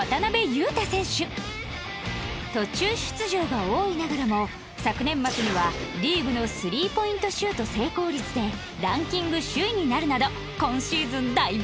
途中出場が多いながらも昨年末にはリーグのスリーポイントシュート成功率でランキング首位になるなど今シーズン大ブレーク！